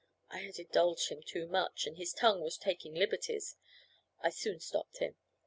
I had indulged him too much, and his tongue was taking liberties. I soon stopped him.